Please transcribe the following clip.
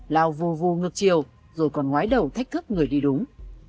lao vù vù ngược chiều rồi còn ngoái đầu thách thức người đi đúng